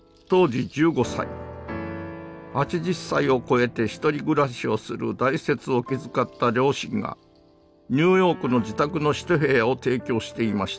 ８０歳を超えて一人暮らしをする大拙を気遣った両親がニューヨークの自宅の一部屋を提供していました。